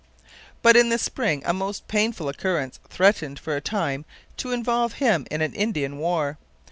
But in the spring a most painful occurrence threatened for a time to involve him in an Indian war.